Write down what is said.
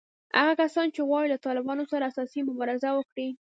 هغه کسان چې غواړي له طالبانو سره اساسي مبارزه وکړي